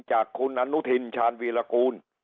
จากคุณอนุทินชาญวีรกูล